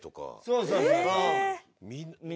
そうそうそうそう。